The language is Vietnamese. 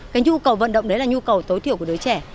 cái nhu cầu vận động đấy là nhu cầu tối thiểu của đứa trẻ